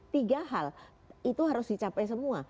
tiga hal itu harus dicapai semua